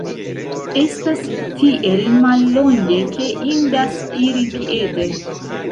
Estas tiel mallonge ke indas iri piede.